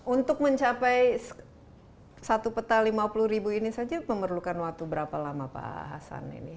untuk mencapai satu peta lima puluh ribu ini saja memerlukan waktu berapa lama pak hasan ini